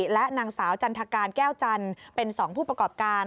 และนางสาวจันทการแก้วจันทร์เป็น๒ผู้ประกอบการ